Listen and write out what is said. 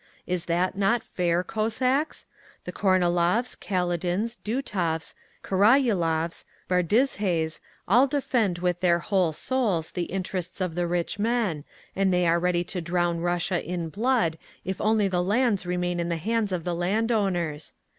Is not that fair, Cossacks? The Kornilovs, Kaledins, Dutovs, Karaulovs, Bardizhes, all defend with their whole souls the interests of the rich men, and they are ready to drown Russia in blood if only the lands remain in the hands of the landowners.